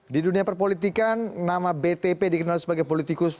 di dunia perpolitikan nama btp dikenal sebagai politikus